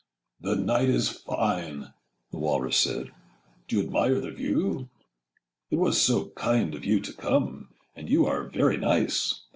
'The night is fine,' the Walrus said Â Â Â Â 'Do you admire the view? 'It was so kind of you to come! Â Â Â Â And you are very nice!